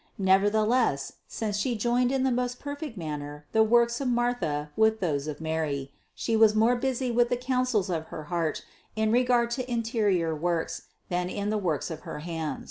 Never theless, since She joined in the most perfect manner the works of Martha with those of Mary, She was more busy with the counsels of her heart in regard to interior works than in the works of her hand.